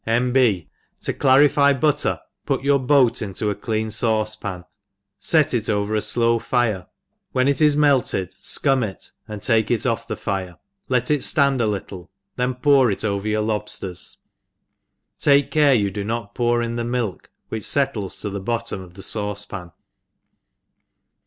— tiST, B. To clarify butter, put your boat into a clean faucepan, (et it over a flow fire, when it is melted, fcum it, and take it* off the fire, let it ftand a little, then pour it over your lobfters; take care you do not pour in the milk, which fettles to the bottom of the faucepan.